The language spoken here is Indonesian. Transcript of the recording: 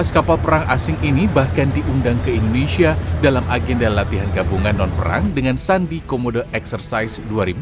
lima belas kapal perang asing ini bahkan diundang ke indonesia dalam agenda latihan gabungan non perang dengan sandi komodo eksersis dua ribu dua puluh